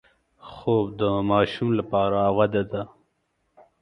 خوب د ماشوم لپاره وده ده